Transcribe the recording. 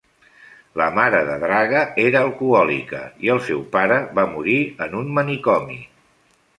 La mare de Draga era alcohòlica i el seu pare va morir en un manicomi.